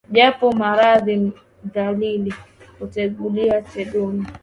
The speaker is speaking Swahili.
Japo maradhi dhahili, kuteguliwa tegoni,